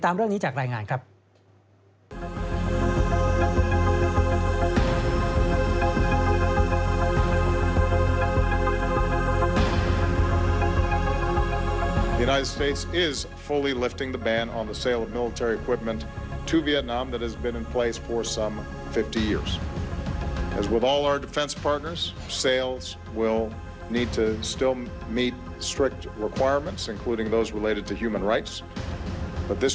มาติดตามเรื่องนี้จากรายงานครับ